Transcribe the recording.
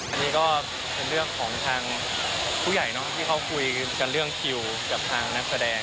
อันนี้ก็เป็นเรื่องของทางผู้ใหญ่เนอะที่เขาคุยกันเรื่องคิวกับทางนักแสดง